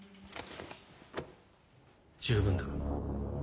十分だ。